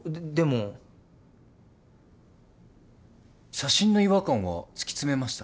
写真の違和感は突き詰めました？